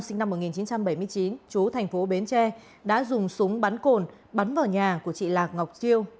sinh năm một nghìn chín trăm bảy mươi chín chú tp bến tre đã dùng súng bắn cồn bắn vào nhà của chị lạc ngọc chiêu